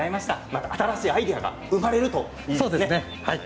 また新しいアイデアが生まれるといいですね。